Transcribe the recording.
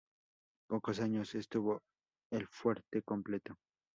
Pocos años estuvo el fuerte completo.